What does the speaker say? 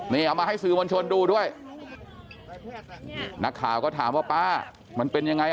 นี่เอามาให้สื่อมวลชนดูด้วยนักข่าวก็ถามว่าป้ามันเป็นยังไงอ่ะ